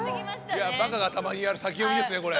バカがたまにやる先読みですねこれ。